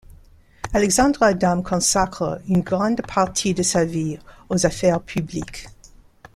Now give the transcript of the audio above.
Alexandre Adam consacre une grande partie de sa vie aux affaires publiques.